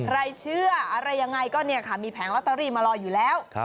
ใครเชื่ออะไรยังไงก็เนี่ยค่ะมีแผงลอตเตอรี่มารออยู่แล้ว